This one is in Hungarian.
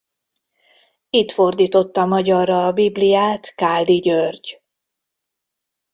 Itt fordította magyarra a Bibliát Káldi György.